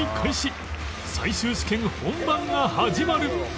最終試験本番が始まる